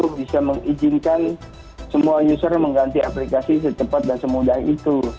untuk bisa mengizinkan semua user mengganti aplikasi secepat dan semudah itu